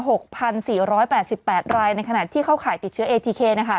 หกพันสี่ร้อยแปดสิบแปดรายในขณะที่เข้าข่ายติดเชื้อเอจีเคนะคะ